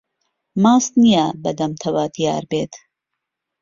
ماست نیه به دهمتهوه دیار بێت